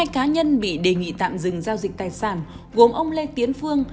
một mươi hai cá nhân bị đề nghị tạm dừng giao dịch tài sản gồm ông lê tiến phương